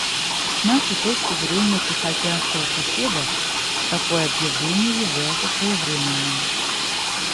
С нашей точки зрения тихоокеанского соседа такое объявление является своевременным.